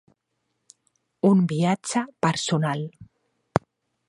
Un viatge personal.